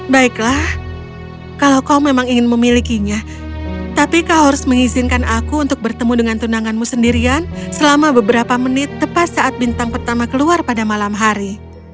baiklah kalau kau memang ingin memilikinya tapi kau harus mengizinkan aku untuk bertemu dengan tunanganmu sendirian selama beberapa menit tepat saat bintang pertama keluar pada malam hari